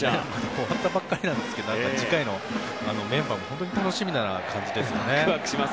終わったばかりですけど次回のメンバーも本当に楽しみな感じですよね。